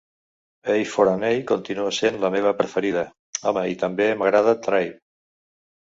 Eye For an Eye continua sent la meva preferida, home, i també m'agrada Tribe.